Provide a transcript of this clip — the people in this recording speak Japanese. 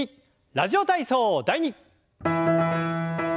「ラジオ体操第２」。